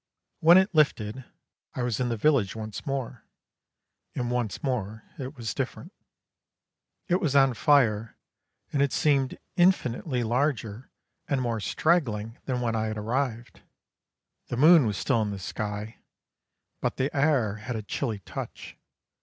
When it lifted I was in the village once more, and once more it was different. It was on fire, and it seemed infinitely larger and more straggling than when I had arrived. The moon was still in the sky, but the air had a chilly touch.